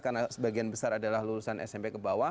karena sebagian besar adalah lulusan smp ke bawah